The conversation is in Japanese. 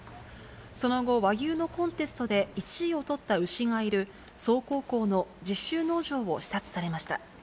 その後、和牛のコンテストで１位を取った牛がいる、曽於高校の実習農場を視察されました。